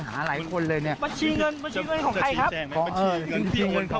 กังวลไหมครับ